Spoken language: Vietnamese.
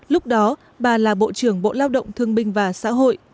lúc đó bà là bộ trưởng bộ lao động thương binh và xã hội